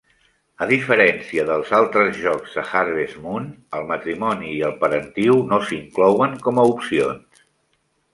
A diferència dels altres jocs de Harvest Moon, el matrimoni i el parentiu no s'inclouen com a opcions.